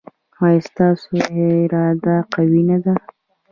ایا ستاسو اراده قوي نه ده؟